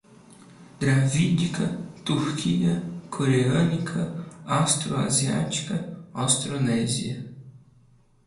Dravídica, túrquica, coreânica, austro-asiática, austronésia